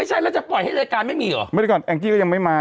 หรอหรอหรอหรอหรอหรอหรอหรอหรอหรอหรอหรอหรอหรอหรอ